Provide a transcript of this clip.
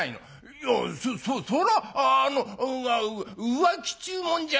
「いやそそらあの浮気っちゅうもんじゃねえんだ。